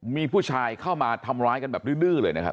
มีผู้ชายเข้ามาทำร้ายกันแบบดื้อเลยนะครับ